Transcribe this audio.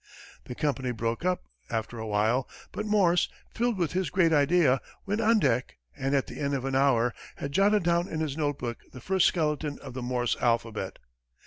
The company broke up, after a while, but Morse, filled with his great idea, went on deck, and at the end of an hour had jotted down in his notebook the first skeleton of the "Morse alphabet."